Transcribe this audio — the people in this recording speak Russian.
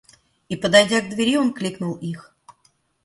И, подойдя к двери, он кликнул их.